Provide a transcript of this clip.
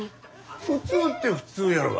普通って普通やろが。